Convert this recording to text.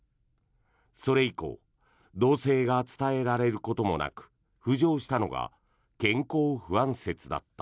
それ以降動静が伝えられることもなく浮上したのが健康不安説だった。